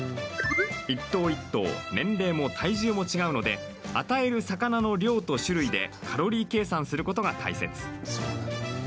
一頭一頭、年齢も体重も違うので与える魚の量と種類でカロリー計算することが大切。